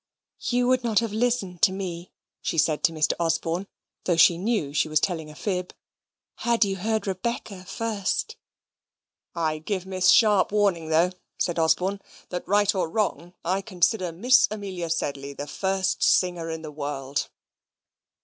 "You would not have listened to me," she said to Mr. Osborne (though she knew she was telling a fib), "had you heard Rebecca first." "I give Miss Sharp warning, though," said Osborne, "that, right or wrong, I consider Miss Amelia Sedley the first singer in the world."